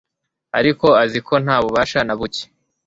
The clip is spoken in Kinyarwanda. Ariko azi ko nta bubasha na buke